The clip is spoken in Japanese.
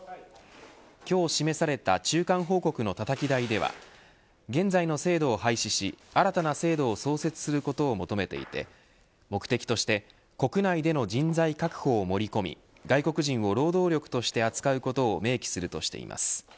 今日示された中間報告のたたき台では現在の制度を廃止し新たな制度を創設することを求めていて目的として国内での人材確保を盛り込み外国人を労働力として扱うことを明記するとしています。